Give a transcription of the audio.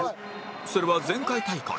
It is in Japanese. それは前回大会